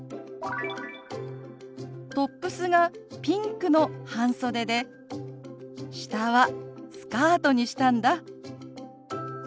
「トップスがピンクの半袖で下はスカートにしたんだ」。